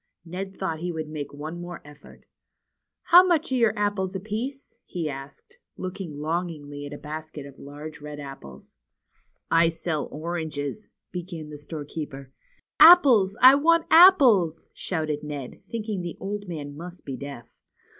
Ned thought he would make one more effort. How much are your apples apiece ?" he asked, looking longingly at a basket of large red apples. I sell oranges "— began the storekeeper. Apples ! I want apples !" shouted Ned, thinking the old man must be deaf.